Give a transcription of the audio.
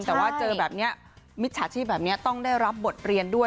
แต่ว่าเจอแบบนี้มิจฉาชีพแบบนี้ต้องได้รับบทเรียนด้วย